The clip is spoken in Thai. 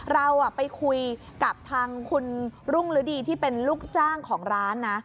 เราไปคุยกับทางคุณรุ่งฤดีที่เป็นลูกจ้างของร้านนะ